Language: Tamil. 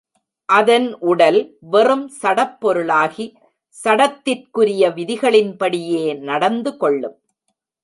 அதன் உடல் வெறும் சடப் பொருளாகி, சடத்திற்குரிய விதிகளின்படியே நடந்து கொள்ளும்.